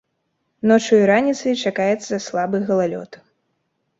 Ноччу і раніцай чакаецца слабы галалёд.